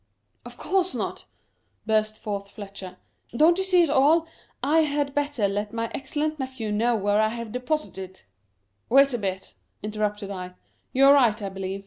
" Of course not," burst forth Fletcher. « Don't you see it all ?/ had better let my excellent nephew know where I have deposited "" Wait a bit," interrupted I ;" you are right, I believe.